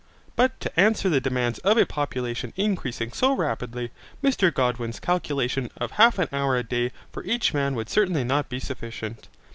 But to answer the demands of a population increasing so rapidly, Mr Godwin's calculation of half an hour a day for each man would certainly not be sufficient.